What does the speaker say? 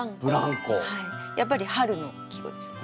やっぱり春の季語ですね。